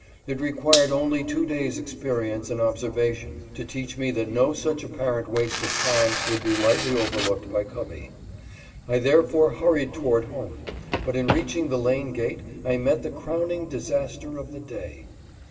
It required only two days' experience and observation to teach me that no such apparent waste of time would be lightly overlooked by Covey. I therefore hurried toward home ; but in reach ing the lane gate I met the crowning disaster of the day.